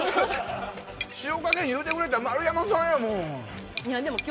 塩加減言ってくれたん丸山さんやもん。